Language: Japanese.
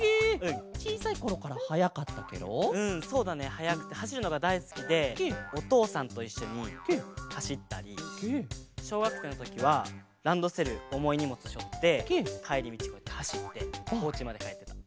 はやくてはしるのがだいすきでおとうさんといっしょにはしったりしょうがくせいのときはランドセルおもいにもつしょってかえりみちこうやってはしっておうちまでかえったり。